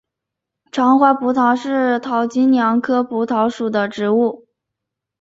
长花蒲桃是桃金娘科蒲桃属的植物。